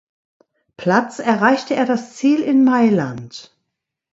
Platz erreichte er das Ziel in Mailand.